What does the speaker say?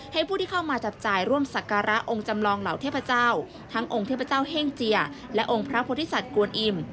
ให้ผู้ที่เข้ามาจับจ่ายร่วมศักระองค์จำลองเหล่าเทพเจ้าทั้งองค์เทพเจ้าเฮ่งเจียและองค์พระพุทธศัตวลอิ่ม